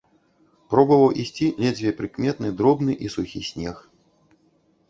Пробаваў ісці ледзьве прыкметны, дробны і сухі снег.